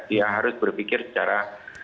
dia harus berpikir secara